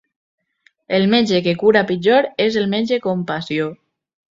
El metge que cura pitjor és el metge compassió.